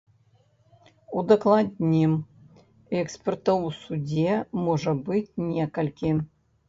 Удакладнім, экспертаў у судзе можа быць некалькі.